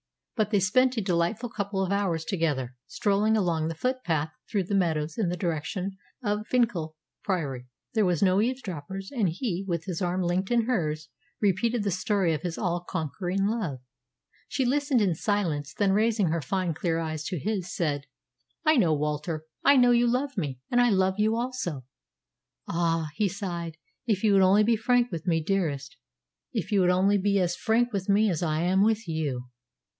But they spent a delightful couple of hours together, strolling along the footpath through the meadows in the direction of Finchale Priory. There were no eavesdroppers; and he, with his arm linked in hers, repeated the story of his all conquering love. She listened in silence, then raising her fine clear eyes to his, said, "I know, Walter I know that you love me. And I love you also." "Ah," he sighed, "if you would only be frank with me, dearest if you would only be as frank with me as I am with you!"